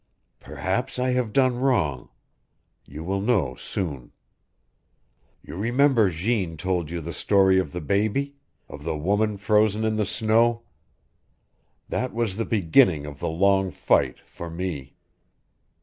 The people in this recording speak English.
Perhaps I have done wrong. You will know soon. You remember Jeanne told you the story of the baby of the woman frozen in the snow. That was the beginning of the long fight for me.